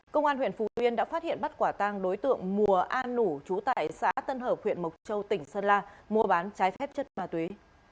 công an huyện phù yên đã phát hiện bắt quả tang đối tượng mùa an nủ chú tải xã tân hợp huyện mộc châu tỉnh sơn la mua bán trái phép chất ma tuế